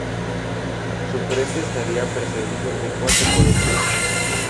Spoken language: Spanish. Su frente estaría precedido de cuatro columnas.